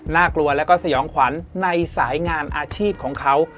กลัวแล้วก็สยองขวัญในสายงานอาชีพของเขา